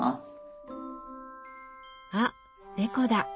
あっ猫だ。